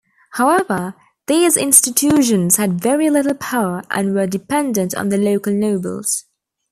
However, these institutions had very little power and were dependent on the local nobles.